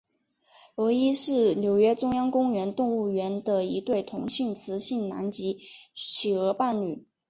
罗伊是纽约中央公园动物园的一对同性雄性南极企鹅伴侣。